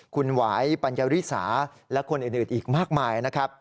คุณหวายปัญญาริสาและคนอื่นอีกมากมายนะครับ